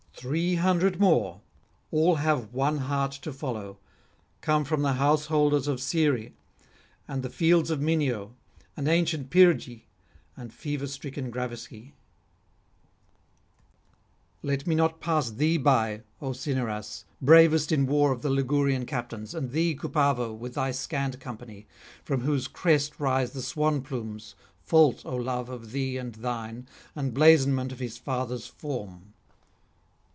Three hundred more all have one heart to follow come from the householders of Caere and the fields of Minio, and ancient Pyrgi, and fever stricken Graviscae. Let me not pass thee by, O Cinyras, bravest in war of Ligurian captains, and thee, Cupavo, with thy scant company, from whose crest rise the swan plumes, fault, O Love, of thee and thine, and blazonment of his father's form.